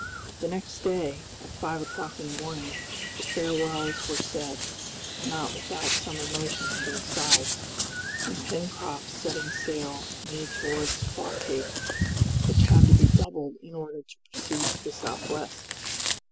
The next day, at five o'clock in the morning, the farewells were said, not without some emotion on both sides, and Pencroft setting sail made towards Claw Cape, which had to be doubled in order to proceed to the southwest.